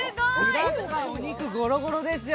お肉ゴロゴロですよ！